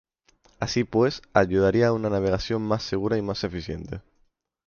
Así pues, ayudaría a una navegación más segura y más eficiente.